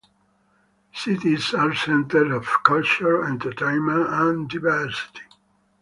Cities are centers of culture, entertainment, and diversity.